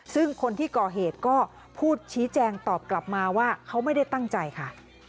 ซึ่งคนที่ก่อเหตุก็พูดชี้แจงตอบกลับมาว่าเขาไม่ได้ตั้งใจค่ะ